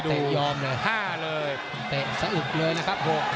โอ้โห